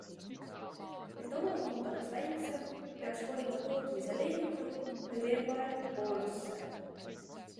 Et omahind oleks väiksem, peaks kolima tootmise Leetu või, veel parem, Poolasse.